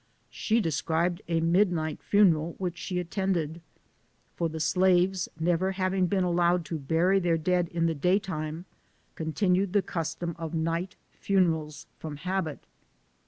She described a midnight funeral which she at tended ; for the slaves, never having been allowed to bury their dead in the day time, continued the custom of night funerals from habit.